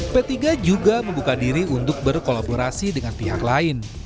p tiga juga membuka diri untuk berkolaborasi dengan pihak lain